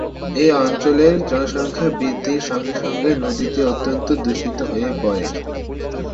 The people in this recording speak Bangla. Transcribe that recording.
এ অঞ্চলের জনসংখ্যা বৃদ্ধির সঙ্গে সঙ্গে নদীটি অত্যন্ত দূষিত হয়ে পড়ে।